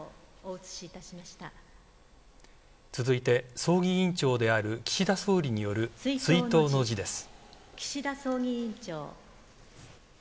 続いて葬儀委員長である岸田総理による追悼の辞です。